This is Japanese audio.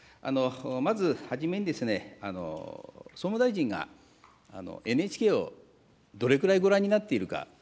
まずはじめに、総務大臣がＮＨＫをどれくらいご覧になっているか。